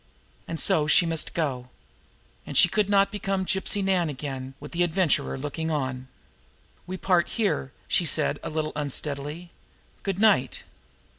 And so she must go. And she could not become Gypsy Nan again with the Adventurer looking on! "We part here," she said a little unsteadily. "Good night!"